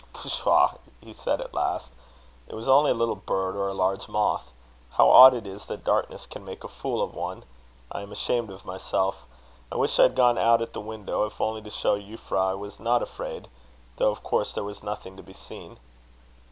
"Pshaw!" he said at last. "It was only a little bird, or a large moth. How odd it is that darkness can make a fool of one! I am ashamed of myself. I wish I had gone out at the window, if only to show Euphra I was not afraid, though of course there was nothing to be seen."